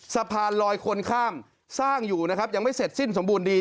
สะพานลอยคนข้ามสร้างอยู่นะครับยังไม่เสร็จสิ้นสมบูรณ์ดี